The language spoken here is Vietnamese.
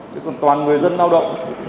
chứ còn toàn người dân lao động